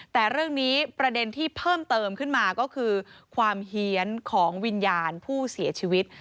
แต่เรื่องนี้ประเด็นที่เพิ่มเติมขึ้นมาก็คือความเฮียนของวิญญาณผู้เสียชีวิต